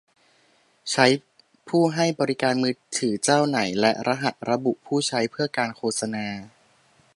ใช้ผู้ให้บริการมือถือเจ้าไหน และรหัสระบุผู้ใช้เพื่อการโฆษณา